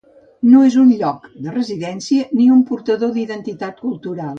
No és un "lloc" de residència ni un portador d'identitat cultural.